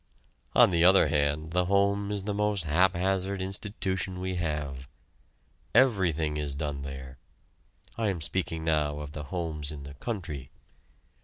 On the other hand the home is the most haphazard institution we have. Everything is done there. (I am speaking now of the homes in the country.)